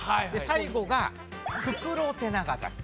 最後がフクロテナガザル。